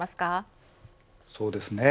そうですね。